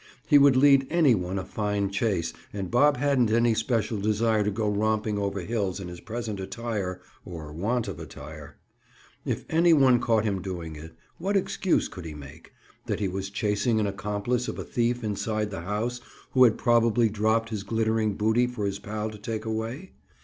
He would lead any one a fine chase and Bob hadn't any special desire to go romping over hills in his present attire, or want of attire. If any one caught him doing it, what excuse could he make? That he was chasing an accomplice of a thief inside the house who had probably dropped his glittering booty for his pal to take away?